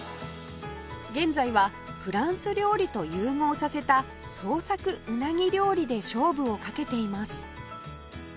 現在はフランス料理と融合させた創作うなぎ料理で勝負をかけています